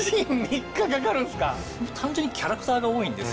単純にキャラクターが多いんですよ。